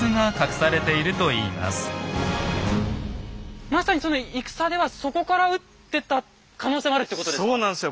まさに戦ではそこから撃ってた可能性もあるということですか？